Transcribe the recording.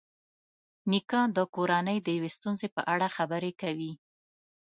نیکه د کورنۍ د یوې ستونزې په اړه خبرې کوي.